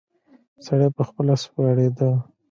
سړی په خپل اس ویاړیده.